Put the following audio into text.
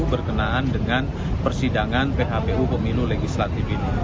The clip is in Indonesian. berkenaan dengan persidangan phpu pemilu legislatif ini